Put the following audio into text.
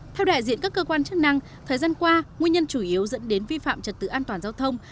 theo đại diện các cơ quan chức năng thời gian qua nguyên nhân chủ yếu dẫn đến vi phạm trật tự an toàn giao thông